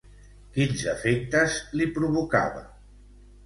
Quins efectes li provocava?